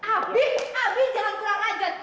abi abi jangan kurang rajin